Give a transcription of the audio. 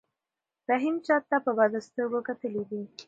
رحیم چاته په بدو سترګو کتلي دي؟